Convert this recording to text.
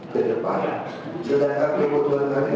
kedatang saya terpijak di